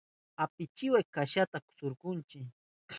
Apichinawa kashata surkunchi.